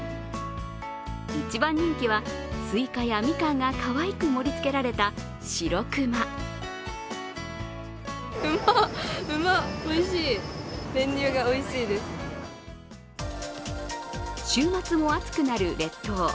一番人気は、すいかやみかんがかわいく盛りつけられた、しろくま週末も暑くなる列島。